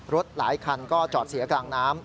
หลายคันก็จอดเสียกลางน้ำ